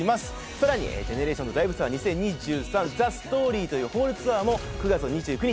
さらに「ＧＥＮＥＲＡＴＩＯＮＳＬＩＶＥＴＯＵＲ２０２３“ＴＨＥＳＴＯＲＹ”」というホールツアーも９月２９日